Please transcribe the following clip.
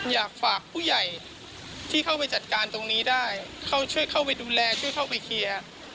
อยากฝากผู้ใหญ่ที่เข้าไปจัดการตรงนี้ได้เขาช่วยเข้าไปดูแลช่วยเข้าไปเคลียร์